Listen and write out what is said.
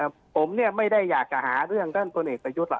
ผมไม่ได้อยากจะหาเรื่องต้นตนเอกประยุทธ์